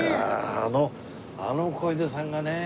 あのあの小出さんがね。